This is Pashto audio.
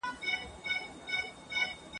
دې پردۍ زړې کیږدۍ ته بې سرپوښه لوی جهان ته ..